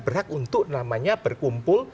berhak untuk berkumpul